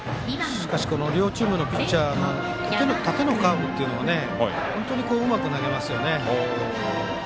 しかしこの両チームのピッチャーの縦のカーブを本当に、うまく投げますよね。